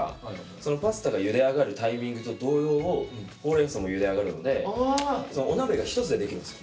そのパスタがゆで上がるタイミングと同様ほうれんそうもゆで上がるのでお鍋が１つでできるんですよ。